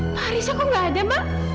pak harisnya kok nggak ada mbak